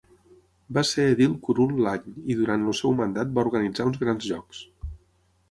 Va ser edil curul l'any i durant el seu mandat va organitzar uns grans jocs.